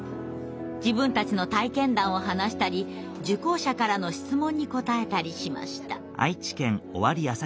自分たちの体験談を話したり受講者からの質問に答えたりしました。